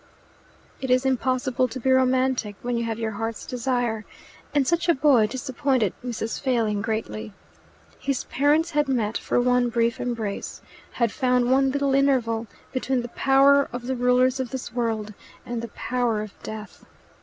It is impossible to be romantic when you have your heart's desire, and such a boy disappointed Mrs. Failing greatly. His parents had met for one brief embrace, had found one little interval between the power of the rulers of this world and the power of death.